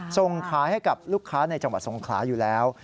ส่งขายให้กับลูกค้าในจังหวัดสงขลาอยู่แล้ว